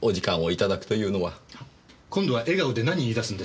今度は笑顔で何言い出すんです？